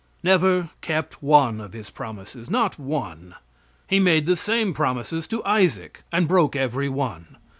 Never kept one of His promises not one. He made the same promises to Isaac, and broke every one.